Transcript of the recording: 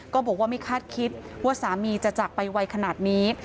ก็บอกว่าไม่คาดคิดว่าสามีจะจากไปไวขนาดนี้